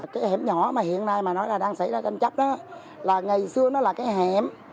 cái hẻm nhỏ mà hiện nay mà nói là đang xảy ra tranh chấp đó là ngày xưa nó là cái hèm